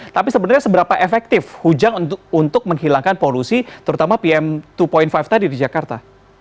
tapi sebenarnya seberapa efektif hujan untuk menghilangkan polusi terutama pm dua lima tadi di jakarta